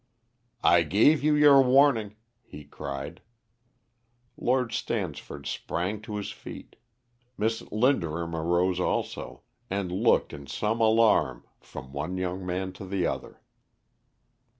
"I gave you your warning," he cried. Lord Stansford sprang to his feet; Miss Linderham arose also, and looked in some alarm from one young man to the other.